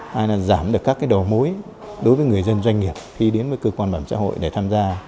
hai là giảm được các đầu mối đối với người dân doanh nghiệp khi đến với cơ quan bảo hiểm xã hội để tham gia